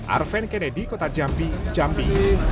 arven kennedy kota jambi jambi